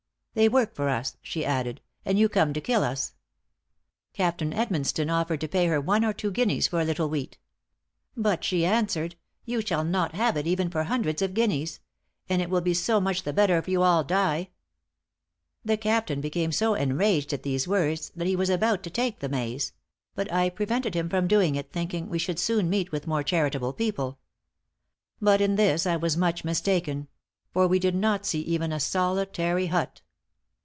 'They work for us,' she added, 'and you come to kill us.' Captain Edmonstone offered to pay her one or two guineas for a little wheat. But she answered, 'You shall not have it even for hundreds of guineas; and it will be so much the better if you all die!' The captain became so enraged at these words, that he was about to take the maize; but I prevented him from doing it, thinking we should soon meet with more charitable people. But in this I was much mistaken; for we did not see even a solitary hut.